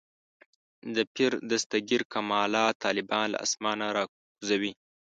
د پیر دستګیر کمالات طالبان له اسمانه راکوزوي.